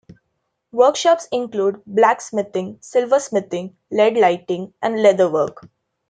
Workshops include blacksmithing, silversmithing, leadlighting and leatherwork.